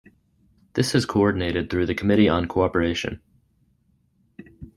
This is coordinated through the Committee on Cooperation.